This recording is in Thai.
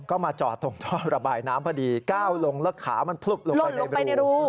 ก็มาจอดตรงท่อระบายน้ำพอดีก้าวลงแล้วขามันพลุบลงไปในรู